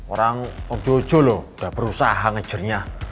orang om jojo loh udah berusaha ngejurnya